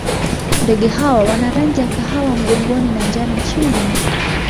Ndege hawa wana rangi ya kahawa mgongoni na njano chini.